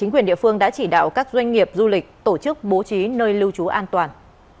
quyền địa phương đã chỉ đạo các doanh nghiệp du lịch tổ chức bố trí nơi lưu trú an toàn